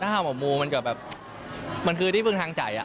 ถ้าเอามามูมันก็แบบมันคือที่พึ่งทางใจ